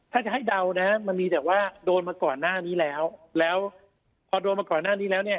ถ้าจะให้เดานะฮะมันมีแต่ว่าโดนมาก่อนหน้านี้แล้วแล้วพอโดนมาก่อนหน้านี้แล้วเนี่ย